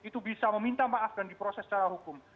itu bisa meminta maaf dan diproses secara hukum